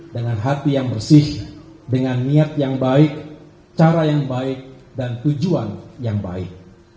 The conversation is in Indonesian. dengan hati yang bersih dengan niat yang baik cara yang baik dan tujuan yang baik